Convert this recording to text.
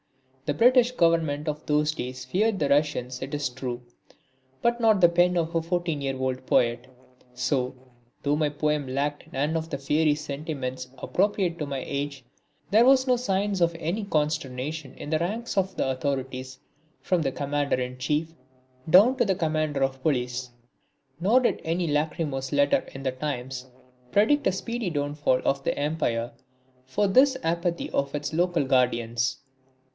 The British Government of those days feared the Russians it is true, but not the pen of a 14 year old poet. So, though my poem lacked none of the fiery sentiments appropriate to my age, there were no signs of any consternation in the ranks of the authorities from Commander in chief down to Commissioner of Police. Nor did any lachrymose letter in the Times predict a speedy downfall of the Empire for this apathy of its local guardians.